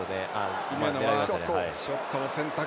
姫野はショットを選択。